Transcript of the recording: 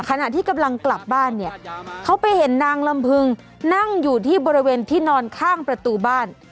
ขณะที่กำลังกลับบ้านเนี่ยเขาไปเห็นนางลำพึงนั่งอยู่ที่บริเวณที่นอนข้างประตูบ้าน